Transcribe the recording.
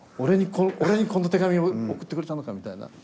俺にこの手紙を送ってくれたのかみたいな。